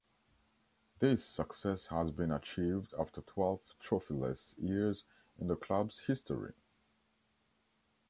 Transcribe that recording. This success has been achieved after twelve trophyless years in the club's history.